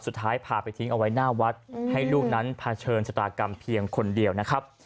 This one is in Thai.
สุดท้ายพาไปทิ้งเอาไว้หน้าวัดให้ลูกนั้นเผชิญชะตากรรมเพียงคนเดียวนะครับ